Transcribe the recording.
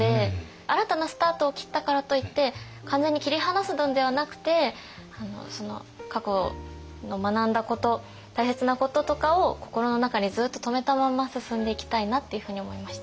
新たなスタートを切ったからといって完全に切り離すのではなくて過去学んだこと大切なこととかを心の中にずっと留めたまんま進んでいきたいなっていうふうに思いました。